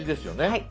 はい。